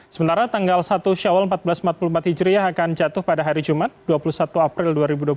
sementara tanggal satu syawal seribu empat ratus empat puluh empat hijriah akan jatuh pada hari jumat dua puluh satu april dua ribu dua puluh satu